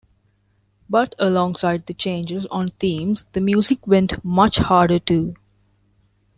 But, alongside the changes on themes, the music went much harder, too.